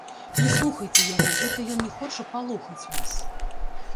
Не слухайце яго, гэта ён не хоча палохаць вас.